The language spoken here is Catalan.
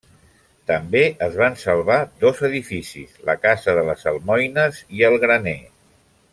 També es van salvar dos edificis: la casa de les almoines i el graner.